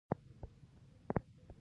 په رېموټ يې پردې کش کړې.